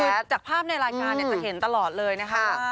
คือจากภาพในรายการจะเห็นตลอดเลยนะคะ